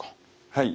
はい。